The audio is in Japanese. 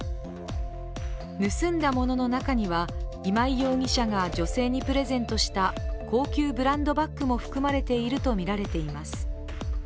盗んだものの中には今井容疑者が女性にプレゼントした高級ブランドバッグも含まれているとみられています。